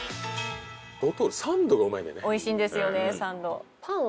おいしいんですよねサンド。